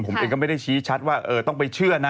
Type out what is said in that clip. ผมเองก็ไม่ได้ชี้ชัดว่าต้องไปเชื่อนะ